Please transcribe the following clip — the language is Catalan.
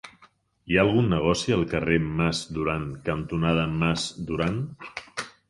Hi ha algun negoci al carrer Mas Duran cantonada Mas Duran?